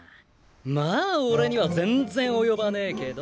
まあ俺には全然及ばねえけど。